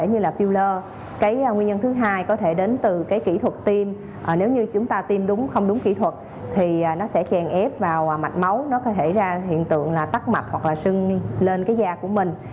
nguyên nhân thứ hai có thể đến từ kỹ thuật tiêm nếu như chúng ta tiêm đúng không đúng kỹ thuật thì nó sẽ chèn ép vào mạch máu nó có thể ra hiện tượng tắt mặt hoặc là sưng lên da của mình